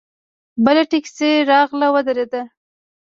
بله ټیکسي راغله ودرېده.